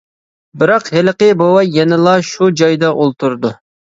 بىراق، ھېلىقى بوۋاي يەنىلا شۇ جايىدا ئولتۇرىدۇ.